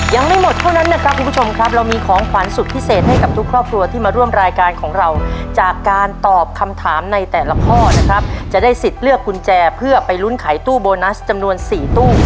ยังไม่หมดเท่านั้นนะครับคุณผู้ชมครับเรามีของขวัญสุดพิเศษให้กับทุกครอบครัวที่มาร่วมรายการของเราจากการตอบคำถามในแต่ละข้อนะครับจะได้สิทธิ์เลือกกุญแจเพื่อไปลุ้นไขตู้โบนัสจำนวน๔ตู้